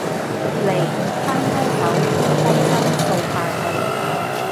嚟，攤開手，摀低身，掃下佢